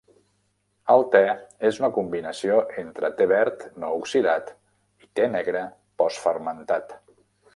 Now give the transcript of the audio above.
El té és una combinació entre té verd no oxidat i té negre post-fermentat.